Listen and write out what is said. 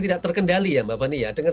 tidak terkendali ya mbak fani ya dengan